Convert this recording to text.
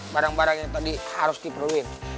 barang barangnya tadi harus diperluin